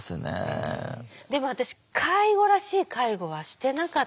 でも私介護らしい介護はしてなかったです。